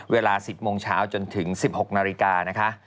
เวลา๑๐โมงเช้าจนถึง๑๖นาฬิกานะคะ